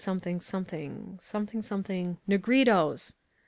Negritos